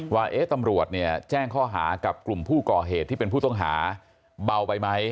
ว่าตำรวจเนี่ยแจ้งข้อหากับกลุ่มผู้ก่อเหตุที่เป็นผู้ต้องหาเบาไปไหม